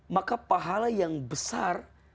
maka pahala yang besar